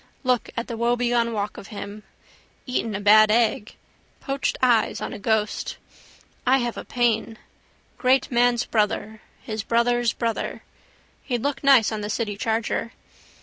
Look at the woebegone walk of him. Eaten a bad egg. Poached eyes on ghost. I have a pain. Great man's brother: his brother's brother. He'd look nice on the city charger.